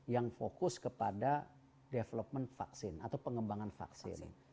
yang fokus kepada development vaksin atau pengembangan vaksin